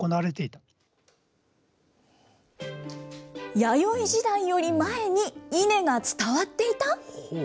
弥生時代より前に、イネが伝わっていた？